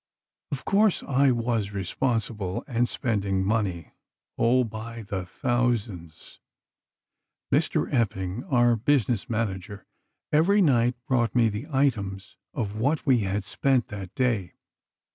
"Of course, I was responsible, and spending money—oh, by the thousands. Mr. Epping, our business manager, every night brought me the items of what we had spent that day.